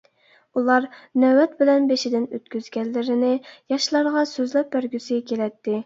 ئۇلار نۆۋەت بىلەن بېشىدىن ئۆتكۈزگەنلىرىنى ياشلارغا سۆزلەپ بەرگۈسى كېلەتتى.